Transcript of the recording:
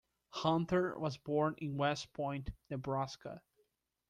Hunter was born in West Point, Nebraska.